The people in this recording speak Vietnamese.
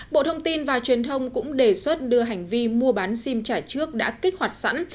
bộ thông tin và truyền thông cũng đề xuất đưa hành vi mua bán sim trả trước đã kích hoạt sẵn